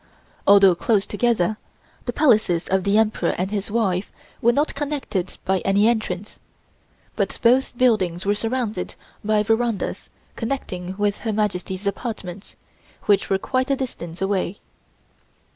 Although close together, the Palaces of the Emperor and his wife were not connected by any entrance, but both buildings were surrounded by verandas connecting with Her Majesty's apartments, which were quite a distance away.